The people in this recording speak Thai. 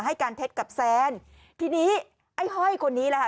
ให้การเท็จกับแซนทีนี้ไอ้ห้อยคนนี้แหละค่ะ